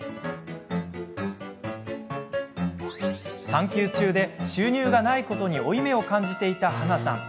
産休中で収入がないことに負い目を感じていた、はなさん。